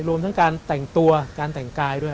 รวมทั้งการแต่งตัวการแต่งกายด้วย